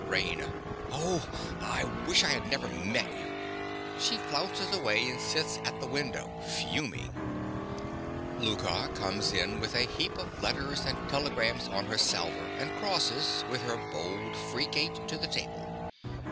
RAINA. Oh, I wish I had never met you. (She flounces away and sits at the window fuming.) (_Louka comes in with a heap of letters and telegrams on her salver, and crosses, with her bold, free gait, to the table.